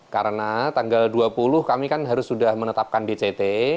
karena tanggal dua puluh kami kan harus sudah menetapkan dct